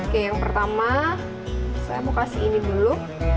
oke yang pertama saya mau kasih ini dulu